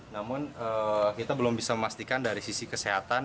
namun kita belum bisa memastikan dari sisi kesehatan